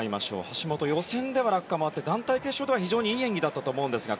橋本、予選では落下もあって団体決勝では非常にいい演技だったと思うんですが